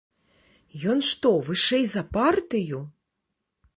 Ён што, вышэй за партыю?